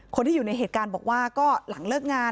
คนที่อยู่ในเหตุการณ์บอกว่าก็หลังเลิกงาน